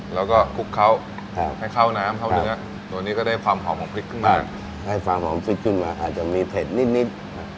แล้วก็คลุกเคล้าให้เข้าน้ำเข้าเนื้อตัวนี้ก็ได้ความหอมของพริกขึ้นมากให้ความหอมพริกขึ้นมาอาจจะมีเผ็ดนิด